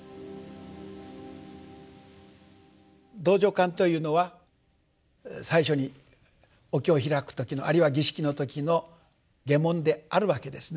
道場観というのは最初にお経を開く時のあるいは儀式の時の偈文であるわけですね。